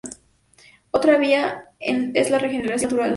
Otra vía es la regeneración natural.